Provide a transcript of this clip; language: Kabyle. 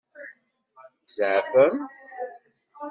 Tzeɛfem?